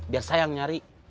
biar saya yang nyari